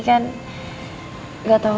kan gak tau